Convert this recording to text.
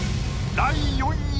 第４位。